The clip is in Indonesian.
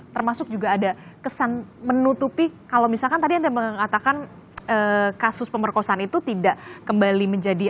termasuk juga ada kesan menutupi kalau misalkan tadi anda mengatakan kasus pemerkosaan itu tidak kembali menjadi